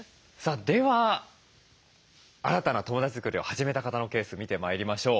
では新たな友だち作りを始めた方のケース見てまいりましょう。